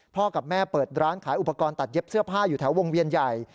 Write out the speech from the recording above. กับแม่เปิดร้านขายอุปกรณ์ตัดเย็บเสื้อผ้าอยู่แถววงเวียนใหญ่